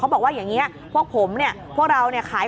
ก็ไม่มีอำนาจ